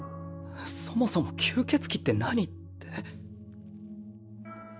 そもそも吸血鬼って何？って。